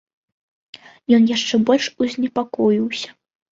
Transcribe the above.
Ён яшчэ больш узнепакоіўся.